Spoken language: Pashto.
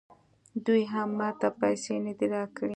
دوی هم ماته پیسې نه دي راکړي